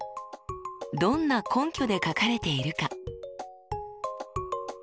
どんな根拠で書かれているか？